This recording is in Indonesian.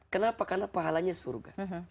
kenapa karena pahalanya surga